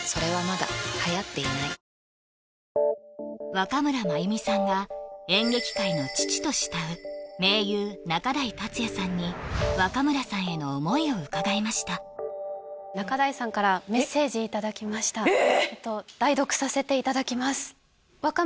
若村麻由美さんが演劇界の父と慕う名優仲代達矢さんに若村さんへの思いを伺いました仲代さんからメッセージいただきましたええ！？